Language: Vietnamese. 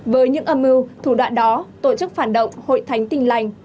với những âm mưu thủ đoạn đó tổ chức phản động hội thánh tin lành